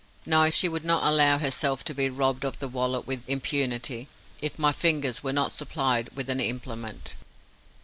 No, she would not allow herself to be robbed of the wallet with impunity, if my fingers were not supplied with an implement.